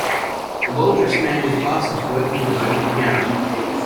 A well dressed man with glasses working with an open piano.